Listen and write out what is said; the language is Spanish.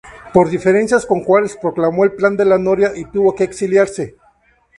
Por diferencias con Juárez proclamó el Plan de la Noria, y tuvo que exiliarse.